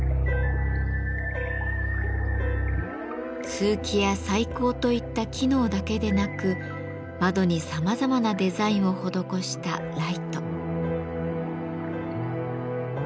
通気や採光といった機能だけでなく窓にさまざまなデザインを施したライト。